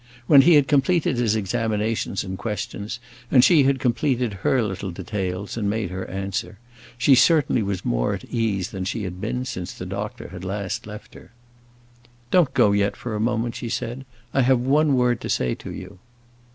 When he had completed his examinations and questions, and she had completed her little details and made her answer, she certainly was more at ease than she had been since the doctor had last left her. "Don't go yet for a moment," she said. "I have one word to say to you."